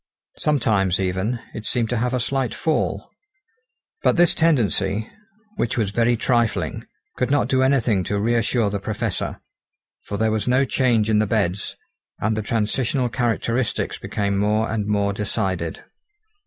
Sometimes, even, it seemed to have a slight fall. But this tendency, which was very trifling, could not do anything to reassure the Professor; for there was no change in the beds, and the transitional characteristics became more and more decided.